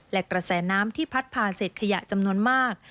และกระแสน้ำที่พัดพาเสร็จขยะจำนวนมาก